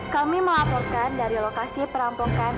kami melaporkan dari lokasi perampokan